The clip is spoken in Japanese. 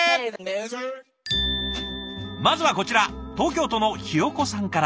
まずはこちら東京都のひよこさんから。